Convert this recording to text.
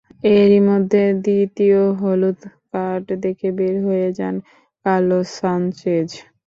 এরই মধ্যে দ্বিতীয় হলুদ কার্ড দেখে বের হয়ে যান কার্লোস সানচেজ।